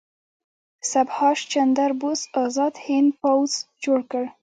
سبهاش چندر بوس ازاد هند پوځ جوړ کړ.